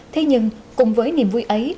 thế nhưng cùng với niềm vui ấy